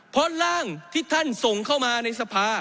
เพราะร่างที่ท่านส่งเข้ามาในสภา